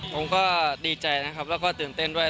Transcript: ผมก็ดีใจนะครับแล้วก็ตื่นเต้นด้วย